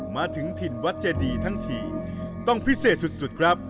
มาถึงถิ่นวัดเจดีทั้งทีต้องพิเศษสุดครับ